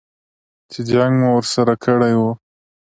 چې جنګ مو ورسره کړی و.